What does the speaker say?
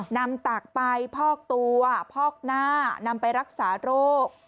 ตักไปพอกตัวพอกหน้านำไปรักษาโรค